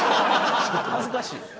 恥ずかしい。